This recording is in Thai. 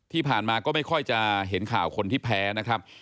ที่ผ่านมาก็ไม่ค่อยจะเห็นข่าวคนที่แพ้นะครับ